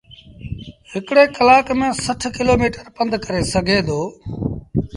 هڪڙي ڪلآڪ ميݩ سٺ ڪلو ميٚٽر پنڌ ڪري سگھي دو۔